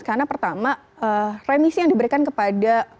karena pertama remisi yang diberikan kepada